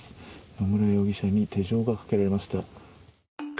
野村容疑者に手錠がかけられました。